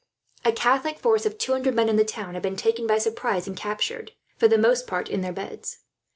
A Catholic force of two hundred men, in the town, had been taken by surprise and captured, for the most part in their beds.